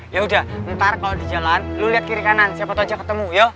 yaudah ntar kalo di jalan lo liat kiri kanan siapa tau aja ketemu yuk